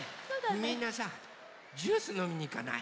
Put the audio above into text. みんなさジュースのみにいかない？